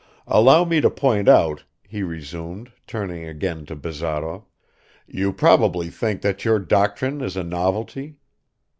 Allow me to point out," he resumed, turning again to Bazarov, "you probably think that your doctrine is a novelty?